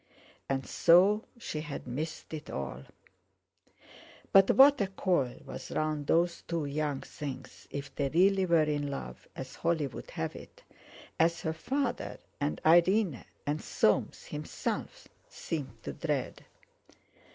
And so she had missed it all. But what a coil was round those two young things, if they really were in love, as Holly would have it—as her father, and Irene, and Soames himself seemed to dread.